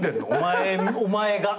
「お前が」